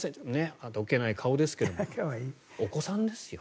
あどけない顔ですけどお子さんですよ。